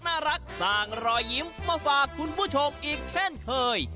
สร้างรอยยิ้มมาฝากคุณผู้ชมอีกเช่นเคย